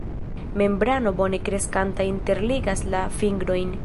Membrano bone kreskanta interligas la fingrojn.